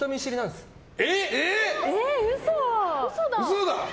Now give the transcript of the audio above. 嘘だ！